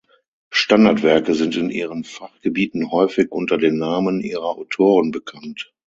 Standardwerke sind in ihren Fachgebieten häufig unter den Namen ihrer Autoren bekannt.